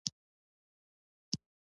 هوسۍ ته نژدې شو او ملخ هوسۍ ته وویل.